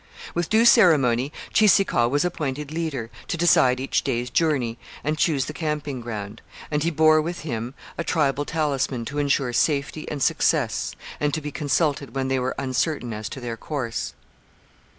With due ceremony Cheeseekau was appointed leader, to decide each day's journey and choose the camping ground; and he bore with him a tribal talisman to ensure safety and success and to be consulted when they were uncertain as to their course.